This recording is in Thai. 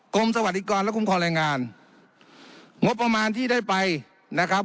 กรมสวัสดิกรณ์และกรุงคอแรงงานงบประมาณที่ได้ไปนะครับ